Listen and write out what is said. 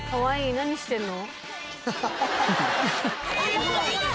何してんの？